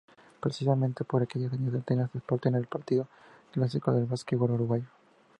Precisamente por aquellos años Atenas y Sporting era el partido clásico del básquetbol uruguayo.